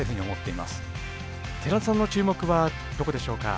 寺田さんの注目はどこでしょうか？